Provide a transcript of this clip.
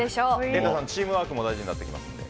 瑛太さん、チームワークも大事になってきますので。